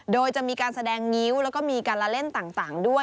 โดยจะมีการแสดงงิ้วแล้วก็มีการละเล่นต่างด้วย